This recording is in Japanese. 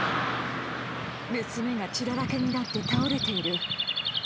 娘が血だらけになって倒れている。